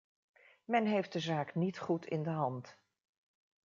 Men heeft de zaak niet goed in de hand.